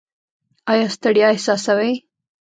ایا ستړیا احساسوئ؟